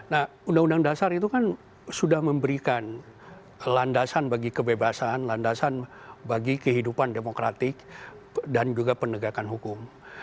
nah undang undang dasar itu kan sudah memberikan landasan bagi kebebasan landasan bagi kehidupan demokratik dan juga penegakan hukum